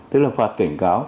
tức là phạt cảnh cáo